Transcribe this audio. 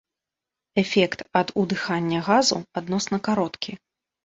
Эфект ад удыхання газу адносна кароткі.